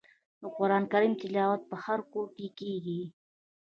د قران کریم تلاوت په هر کور کې کیږي.